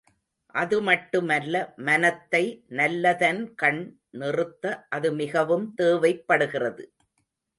அது மட்டுமல்ல மனத்தை நல்லதன்கண் நிறுத்த அது மிகவும் தேவைப்படுகிறது.